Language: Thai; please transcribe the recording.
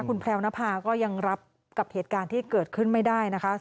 คุณแพรวนภาก็ยังรับกับเหตุการณ์ที่เกิดขึ้นไม่ได้นะคะ